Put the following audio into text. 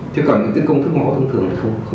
thế còn những công thức mẫu thông thường